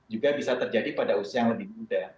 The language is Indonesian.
juga bisa terjadi pada usia yang lebih muda